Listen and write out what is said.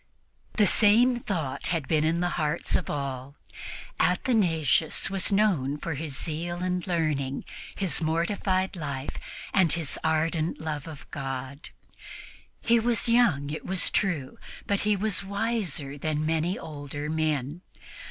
The same thought had been in the hearts of all. Athanasius was known for his zeal and learning, his mortified life and his ardent love of God. He was young, it was true, but he was wiser than many older men.